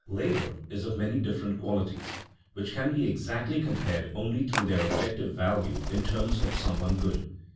Labor is of many different qualities, which can be exactly compared only through their objective value in terms of some one good.